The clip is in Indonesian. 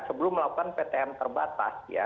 sebelum melakukan ptm terbatas ya